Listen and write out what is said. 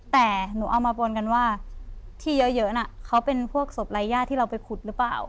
แต่หนูเอามาปนกันว่าที่เยอะน่ะเขาเป็นพวกศพรายญาติที่เราไปขุดหรือเปล่า